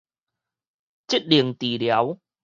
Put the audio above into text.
職能治療